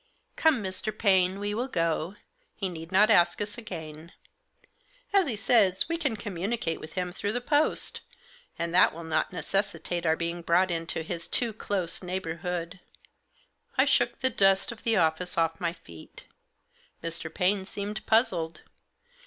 " Come, Mr. Paine, we will go. He need not ask us Digitized by AN INTERVIEW WITH MR. SLAUGHTER. 37 again. As he says, we can communicate with him through the post ; and that will not necessitate our being brought into his too close neighbourhood." I shook the dust of the office off my feet. Mr. Paine seemed puzzled.